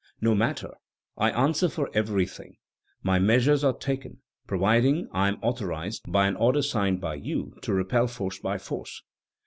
No matter; I answer for everything; my measures are taken, providing I am authorized, by an order signed by you, to repel force by force."